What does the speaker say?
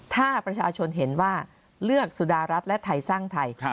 ถ้าประชาชนเห็นว่าเลือกสุดารัฐและไทยสร้างไทย